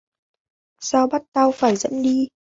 Sao bắt tao phải dẫn đi